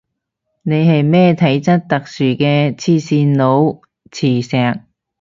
你係咩體質特殊嘅黐線佬磁石